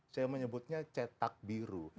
saya menyebutnya cetak biru